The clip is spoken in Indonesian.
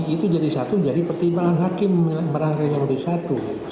itu jadi satu jadi pertimbangan hakim merangkai yang lebih satu